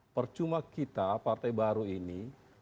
percuma kita partai baru ini